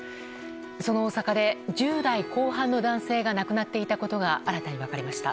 その大阪で１０代後半の男性が亡くなっていたことが新たに分かりました。